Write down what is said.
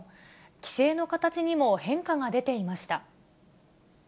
帰省の形にも変化が出ていました。